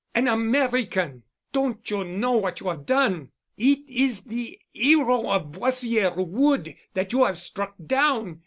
"An American! Don't you know what you have done? It is the hero of Boissière Wood that you have struck down.